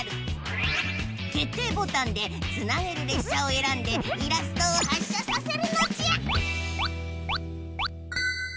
決定ボタンでつなげるれっしゃをえらんでイラストを発車させるのじゃ！